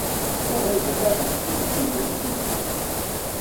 Давай закажем себе такие парики!